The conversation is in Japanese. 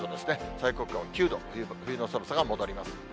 最高気温９度ということで、冬の寒さが戻ります。